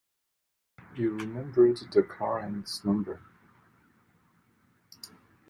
You remembered the car and its number.